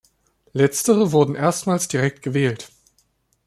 Letztere wurden erstmals direkt gewählt.